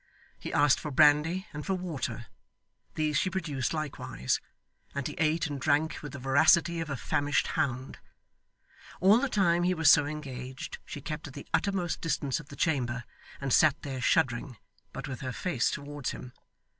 He asked for brandy, and for water. These she produced likewise; and he ate and drank with the voracity of a famished hound. All the time he was so engaged she kept at the uttermost distance of the chamber, and sat there shuddering, but with her face towards him.